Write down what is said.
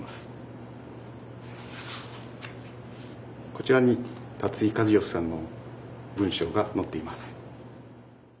こちらに立井一嚴さんの文章が載っています。